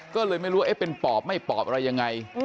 ก็เลยไม่รู้ว่าเป็นปอบไม่ปอบอะไรยังไง